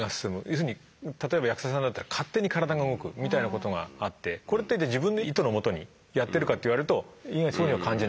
要するに例えば役者さんだったら勝手に体が動くみたいなことがあってこれって自分の意図のもとにやってるかって言われると意外にそうには感じない。